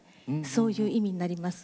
そういう意味になります。